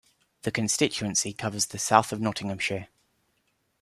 The constituency covers the south of Nottinghamshire.